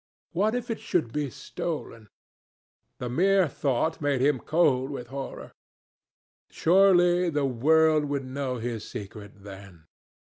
What if it should be stolen? The mere thought made him cold with horror. Surely the world would know his secret then.